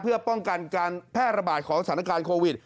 เพื่อป้องกันการแพร่ระบาดของสถานการณ์โควิด